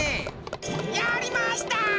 やりました！